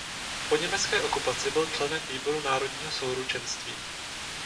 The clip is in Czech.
Po německé okupaci byl členem výboru Národního souručenství.